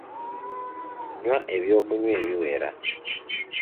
Nnywa ebyokunywa ebiwera.